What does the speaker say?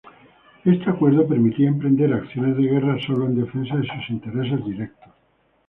Este acuerdo permitía emprender acciones de guerra solo en defensa de sus intereses directos.